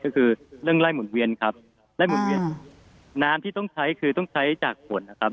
ก็คือเรื่องไล่หมุนเวียนครับไล่หุ่นเวียนน้ำที่ต้องใช้คือต้องใช้จากฝนนะครับ